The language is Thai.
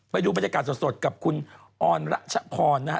ไปดูบรรยากาศสดกับคุณออนรัชพรนะฮะ